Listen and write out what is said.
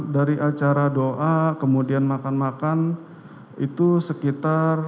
dari acara doa kemudian makan makan itu sekitar